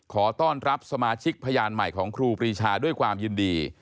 ขอต้อนรับสมาชิกพยานใหม่ของครูปรีชาด้วยความยินดี